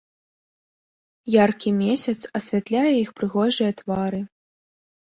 Яркі месяц асвятляе іх прыгожыя твары.